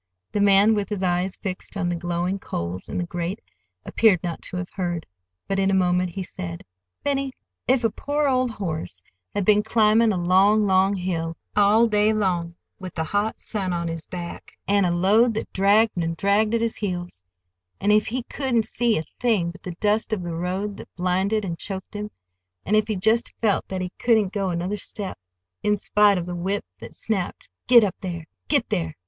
The man, with his eyes fixed on the glowing coals in the grate, appeared not to have heard. But in a moment he said:— "Benny, if a poor old horse had been climbing a long, long hill all day with the hot sun on his back, and a load that dragged and dragged at his heels, and if he couldn't see a thing but the dust of the road that blinded and choked him, and if he just felt that he couldn't go another step, in spite of the whip that snapped 'Get there—get there!